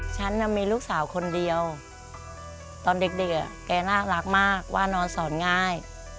ฉันมีลูกสาวคนเดียวตอนเด็กแกน่ารักมากว่านอนสอนง่าย